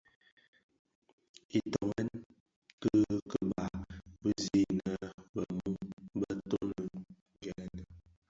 Itōnen kii keba bi zi innë bë-mun bë toni gènë.